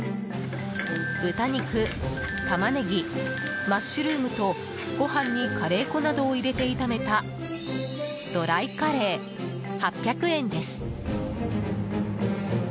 豚肉、タマネギマッシュルームと、ご飯にカレー粉などを入れて炒めたドライカレー、８００円です。